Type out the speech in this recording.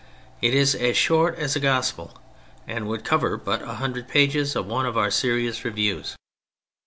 It is as short as a gospel, and would cover but a hundred pages of one of our serious reviews.